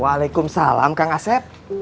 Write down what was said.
waalaikumsalam kang aset